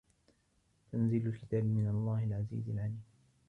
تَنزيلُ الكِتابِ مِنَ اللَّهِ العَزيزِ العَليمِ